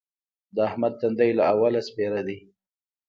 د احمد تندی له اوله سپېره دی.